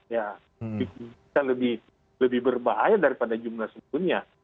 ya bisa lebih berbahaya daripada jumlah sebelumnya